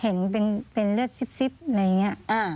เห็นเป็นเลือดซิบอะไรอย่างนี้